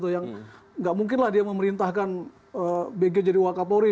yang enggak mungkinlah dia memerintahkan bg jadi wak kapolri